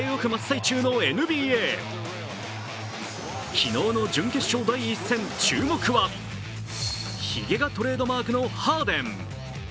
昨日の準決勝第１戦、注目はひげがトレードマークのハーデン。